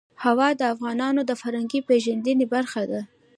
هوا د افغانانو د فرهنګي پیژندنې برخه ده.